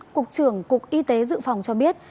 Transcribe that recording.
cục trưởng cục y tế dự phòng cho biết